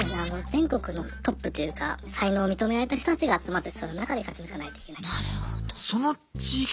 全国のトップというか才能を認められた人たちが集まってその中で勝ち抜かないといけない。